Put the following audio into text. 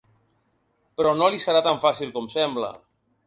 Però no li serà tan fàcil com sembla.